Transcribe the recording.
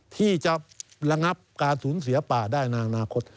ที่จะระงับการสูญเสียป่าได้ในอนาคต